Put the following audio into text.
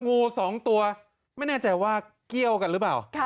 งูสองตัวไม่แน่ใจว่าเกี้ยวกันหรือเปล่า